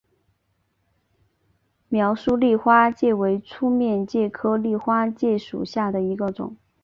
苗栗丽花介为粗面介科丽花介属下的一个种。